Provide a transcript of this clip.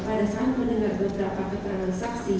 pada saat mendengar beberapa keterangan saksi